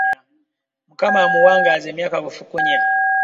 Mukama amuwangaaze emyaka bufukunya .